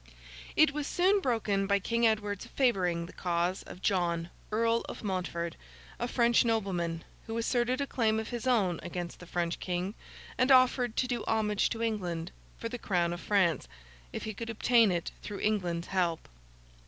It was soon broken by King Edward's favouring the cause of John, Earl of Montford; a French nobleman, who asserted a claim of his own against the French King, and offered to do homage to England for the Crown of France, if he could obtain it through England's help.